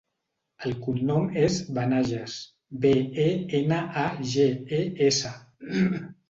El cognom és Benages: be, e, ena, a, ge, e, essa.